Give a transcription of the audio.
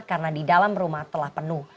karena di dalam rumah telah penuh